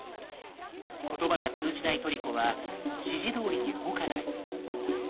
言葉が通じないトリコは指示どおりに動かない。